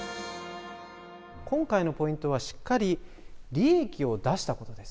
今回のポイントはしっかり利益を出したことです。